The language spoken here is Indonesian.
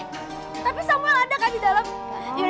tapi samul ada kan di dalam